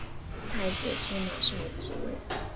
太子司马绍即位。